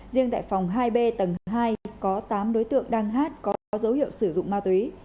riêng tại phòng hai b tầng hai có tám đối tượng đang hát có dấu hiệu sử dụng ma túy